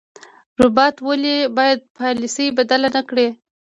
روابط ولې باید پالیسي بدله نکړي؟